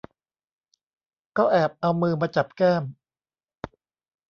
ก็แอบเอามือมาจับแก้ม